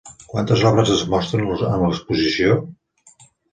Quantes obres es mostren en l'exposició?